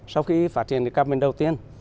sau khi phát triển các bệnh đầu tiên